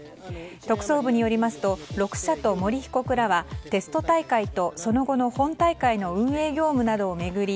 特捜部によりますと６社と森被告らはテスト大会と、その後の本大会の運営業務などを巡り